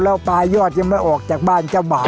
แล้วปลายยอดยังไม่ออกจากบ้านเจ้าบ่าว